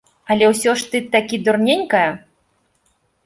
Але ўсё ж ты такі дурненькая.